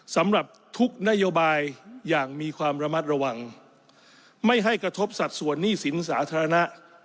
สำหรับทุกนโยบายอย่างมีความระมัดระวังไม่ให้กระทบสัดส่วนหนี้สินสาธารณะ